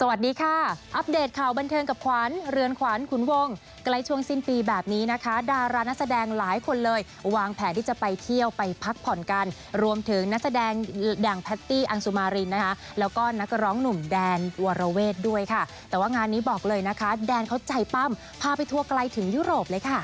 สวัสดีค่ะอัปเดตข่าวบันเทิงกับขวัญเรือนขวัญขุนวงใกล้ช่วงสิ้นปีแบบนี้นะคะดารานักแสดงหลายคนเลยวางแผนที่จะไปเที่ยวไปพักผ่อนกันรวมถึงนักแสดงดังแพตตี้อังสุมารินนะคะแล้วก็นักร้องหนุ่มแดนวรเวทด้วยค่ะแต่ว่างานนี้บอกเลยนะคะแดนเขาใจปั้มพาไปทัวร์ไกลถึงยุโรปเลยค่ะ